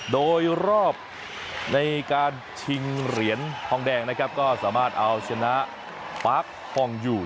โดยรอบในการชิงเหรียญทองแดงนะครับก็สามารถเอาชนะปาร์คฮองอยู่